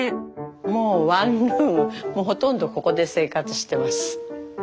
もうワンルームもうほとんどここで生活してます。